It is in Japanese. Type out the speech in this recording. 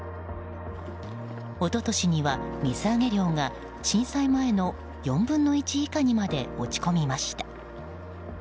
一昨年には、水揚げ量が震災前の４分の１以下にまで落ち込みました。